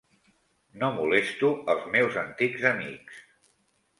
No molesto els meus antics amics.